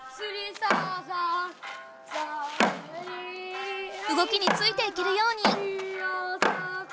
うごきについていけるように！